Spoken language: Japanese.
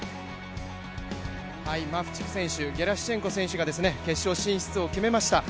マフチク選手、ゲラシュチェンコ選手が決勝進出を決めました。